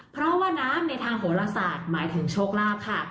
เพราะว่าน้ำในทางโหลศาสตร์หมายถึงโชคลาภค่ะ